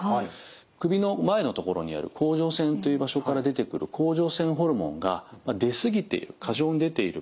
首の前のところにある甲状腺という場所から出てくる甲状腺ホルモンが出すぎている過剰に出ている。